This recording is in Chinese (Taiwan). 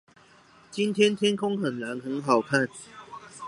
今天天空很藍，很好看